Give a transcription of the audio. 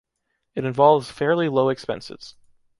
It involves fairly low expenses.